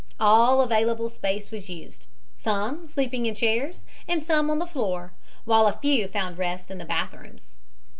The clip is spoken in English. All available space was used, some sleeping in chairs and some on the floor, while a few found rest in the bathrooms.